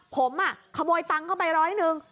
ผมขโมยตังค์เข้าไปร้อยหนึ่ง